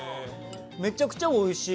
めちゃくちゃおいしい！